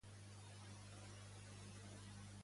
Què duu a terme a la Völuspa?